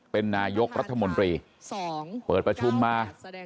เป็นนายกรัฐมนตรีเปิดประชุมมา